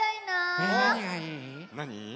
なに？